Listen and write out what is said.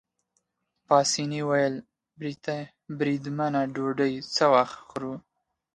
پاسیني وویل: بریدمنه ډوډۍ څه وخت خورو؟